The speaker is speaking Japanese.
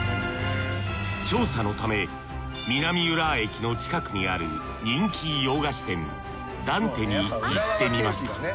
調査のため南浦和駅の近くにある人気洋菓子店ダンテに行ってみました。